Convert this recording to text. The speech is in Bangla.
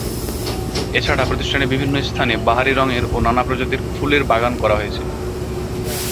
এছাড়া প্রতিষ্ঠানের বিভিন্ন স্থানে বাহারি রঙের ও নানা প্রজাতির ফুলের বাগান করা হয়েছে।